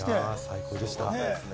最高でした。